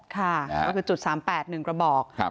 ค่ะคือ๓๘นึงกระบอก